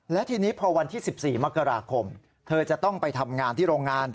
และทีนี้พอวันที่๑๔มกราคมเธอจะต้องไปทำงานที่โรงงาน